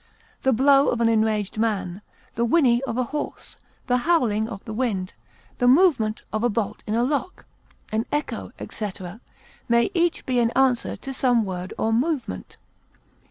The blow of an enraged man, the whinny of a horse, the howling of the wind, the movement of a bolt in a lock, an echo, etc., may each be an answer to some word or movement.